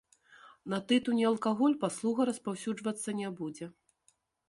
На тытунь і алкаголь паслуга распаўсюджвацца не будзе.